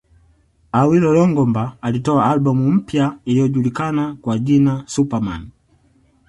Awilo Longomba alitoa albamu mpya iliyojulikana kwa jina Super Man